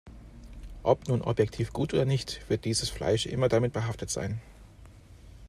Ob nun objektiv gut oder nicht, wird dieses Fleisch immer damit behaftet sein.